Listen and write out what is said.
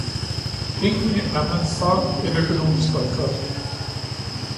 Egentlig er man for en økonomisk boykot.